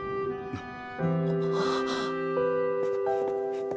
あっ。